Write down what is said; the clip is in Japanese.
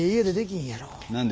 何で？